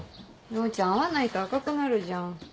陽ちゃん合わないと赤くなるじゃん。